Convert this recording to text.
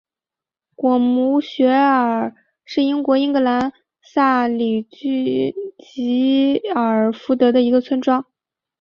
果姆雪尔是英国英格兰萨里郡吉尔福德的一个村庄。